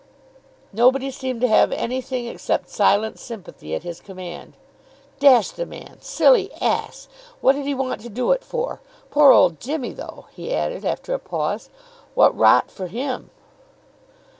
Nobody seemed to have anything except silent sympathy at his command. "Dash the man! Silly ass! What did he want to do it for! Poor old Jimmy, though!" he added after a pause. "What rot for him!"